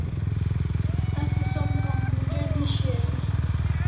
Asi som computer ne shiau e?